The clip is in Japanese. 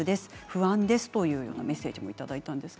不安です、というメッセージをいただきました。